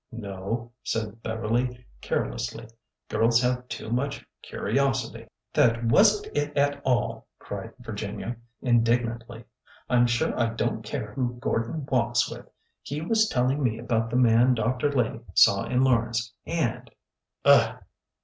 No/^ said Beverly, carelessly, girls have too much curiosity.^^ That was n't it at all !" cried Virginia, indignantlyo "" I 'm sure I don't care who Gordon walks with ! He THE SINGLE AIM 13 was telling me about the man Dr. Lay saw in Lawrence, and '^" Ugh